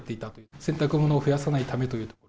洗濯物を増やさないためという。